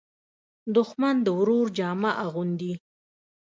دښمن د ورور جامه اغوندي